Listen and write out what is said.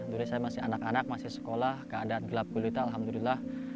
dulu saya masih anak anak masih sekolah keadaan gelap gulita alhamdulillah